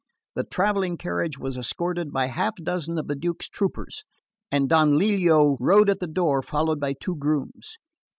The travelling carriage was escorted by half a dozen of the Duke's troopers and Don Lelio rode at the door followed by two grooms.